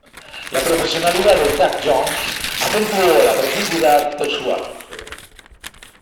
La profesionalidad de Thad Jones acentuó la profundidad de su arte.